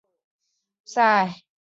图阿尔塞。